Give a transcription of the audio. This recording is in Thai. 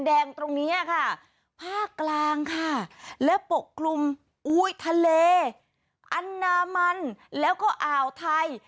ตรงนี้ค่ะภาคกลางค่ะและปกคลุมอุ้ยทะเลอันดามันแล้วก็อ่าวไทย